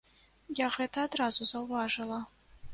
Я гэта адразу заўважыла.